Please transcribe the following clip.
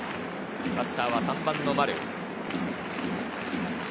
バッターは３番の丸。